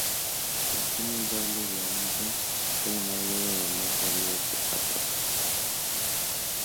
Contiene el doble de almidón que la mayoría de las demás variedades de patata.